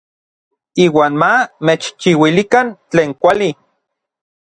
Iuan ma mechchiuilikan tlen kuali.